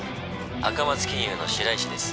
赤松金融の白石です。